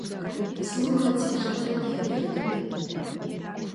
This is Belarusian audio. Слухаць жывы эфір тут.